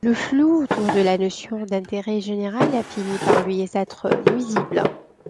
Le flou autour de la notion d’intérêt général a fini par lui être nuisible.